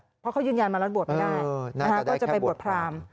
เพราะเขายืนยันมาแล้วบวชไม่ได้ก็จะไปบวชพราม